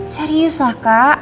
serius lah kak